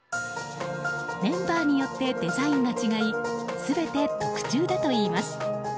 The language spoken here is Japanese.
メンバーによってデザインが違い全て特注だといいます。